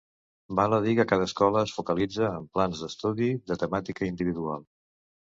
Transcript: Val a dir que cada escola es focalitza en plans d'estudi de temàtica individual.